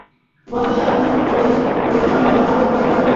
বর্ষায় ফুল ফোটে এবং সারা বছরে আরো কয়েকবার ফোটে।